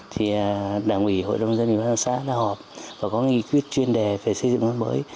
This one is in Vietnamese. thì đảng ủy hội đồng dân và đồng xã đã họp và có nghị quyết chuyên đề về xây dựng nông thôn mới